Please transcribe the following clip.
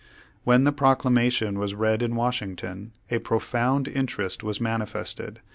When the Proclamation was read in Washing ton, a profound interest was manifested.